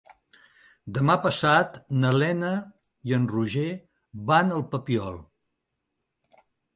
Demà passat na Lena i en Roger van al Papiol.